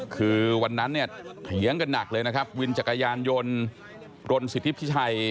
คือวันนั้นเนี่ยเถียงกันหนักเลยนะครับวินจักรยานยนต์รนสิทธิพิชัย